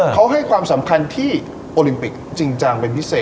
เขาให้ความสำคัญที่โอลิมปิกจริงจังเป็นพิเศษ